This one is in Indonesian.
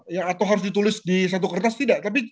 ya atau harus ditulis di satu kertas tidak